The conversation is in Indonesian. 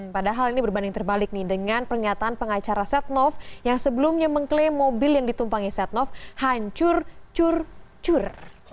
padahal ini berbanding terbalik nih dengan pernyataan pengacara setnov yang sebelumnya mengklaim mobil yang ditumpangi setnov hancur cur cur